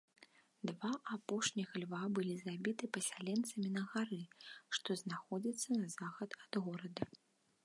Два апошніх льва былі забіты пасяленцамі на гары, што знаходзіцца на захад ад горада.